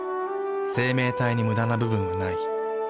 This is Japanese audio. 生命体にムダな部分はない。